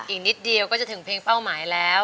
อีกนิดเดียวก็จะถึงเพลงเป้าหมายแล้ว